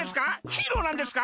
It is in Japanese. ヒーローなんですか？